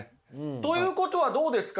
ということはどうですか？